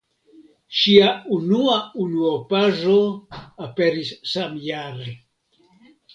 Ŝia unua unuopaĵo aperis samjare.